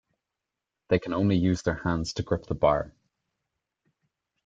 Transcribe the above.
They can only use their hands to grip the bar.